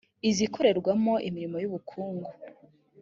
izikorerwamo imirimo y ubukungu